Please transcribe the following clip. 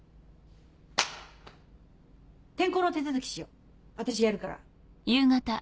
転校の手続きしよう私やるから。